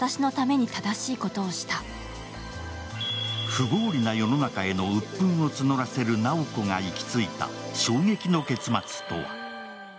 不合理な世の中へのうっぷんを募らせる直子が行き着いた、衝撃の結末とは。